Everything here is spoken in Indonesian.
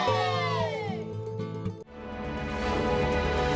hanya kepada mereka yang dikenal sebagai ortodoma nasional universitas sesejarah